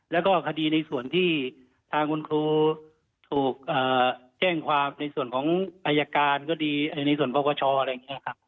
แล้วก็คดีในส่วนที่ทางคุณครูถูกแจ้งความในส่วนของอายการก็ดีในส่วนปปชอะไรอย่างนี้ครับ